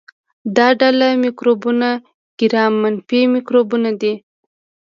دا ډله مکروبونه ګرام منفي مکروبونه دي.